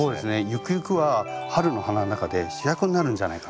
ゆくゆくは春の花の中で主役になるんじゃないかなって。